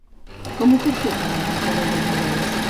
Com ho puc fer per anar al carrer de Bordeus?